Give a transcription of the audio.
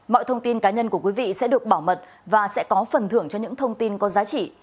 mọi thông tin cá nhân của quý vị sẽ được bảo mật và sẽ có phần thưởng cho những thông tin có giá trị